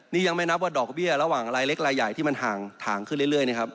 นี่ยังไม่นับว่าดอกเบี้ยระหว่างรายเล็กรายใหญ่ที่มันห่างขึ้นเรื่อยนะครับ